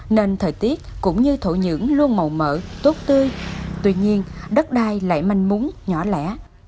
nên thời tiết cũng như thổ nhưỡng luôn màu mỡ tốt tươi tuy nhiên đất đai lại manh mún nhỏ lẻ